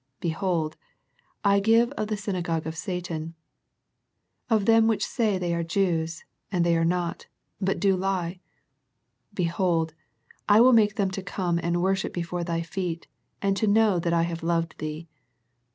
Behold, I give of the synagogue of Satan, of them which say they are Jews, and they are not, but do lie; behold, I will make them to come and worship before thy feet, and to know that I have loved thee.